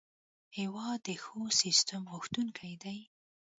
هېواد د ښو سیسټم غوښتونکی دی.